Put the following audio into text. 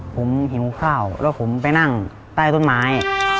ผมหิวข้าวแล้วผมไปนั่งใต้ต้นไม้